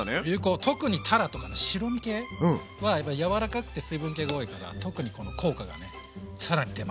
特にたらとかね白身系は柔らかくて水分けが多いから特にこの効果がね更に出ます。